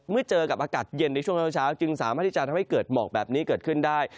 เจอกับอากาศเย็นในช่วงเช้าจึงสามารถที่จะทำให้เกิดหมอกแบบนี้เกิดขึ้นได้